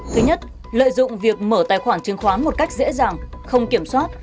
thứ nhất lợi dụng việc mở tài khoản chứng khoán một cách dễ dàng không kiểm soát